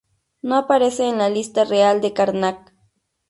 No aparece en la Lista Real de Karnak.